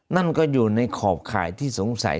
นั่นก็อยู่ในขอบข่ายที่สงสัย